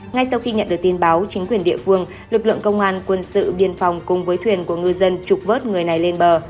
ngay sau khi nhận được tin báo chính quyền địa phương lực lượng công an quân sự biên phòng cùng với thuyền của ngư dân trục vớt người này lên bờ